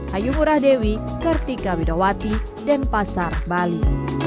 hayu murah dewi kartika widowati denpasar bali